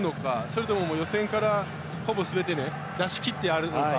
それとも予選からほぼ全て出しきってあるのか。